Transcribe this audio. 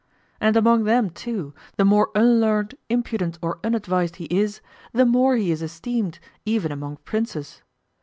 And among them too, the more unlearned, impudent, or unadvised he is, the more he is esteemed, even among princes.